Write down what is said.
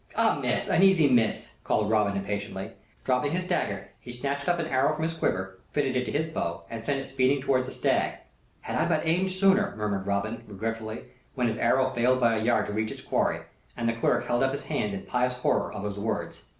"A miss, an easy miss!" called Robin, impatiently. Dropping his dagger, he snatched an arrow from his quiver, fitted it to his bow and sent it speeding towards the stag. "Had I but aimed sooner!" murmured Robin, regretfully, when his arrow failed by a yard to reach its quarry; and the clerk held up his hands in pious horror of his words.